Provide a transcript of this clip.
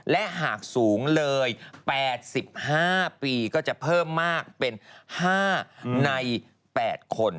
และหากสูงเลย๘๕ปีก็จะเพิ่มมากเป็น๕ใน๘คน